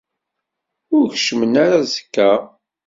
Ur keččmen ara aẓekka?